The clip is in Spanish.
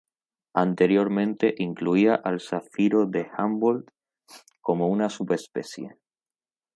Anteriormente incluía al zafiro de Humboldt como una subespecie.